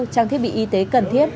trang thiết bị y tế cần thiết